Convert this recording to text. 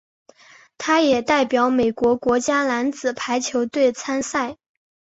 他也代表美国国家男子排球队参赛。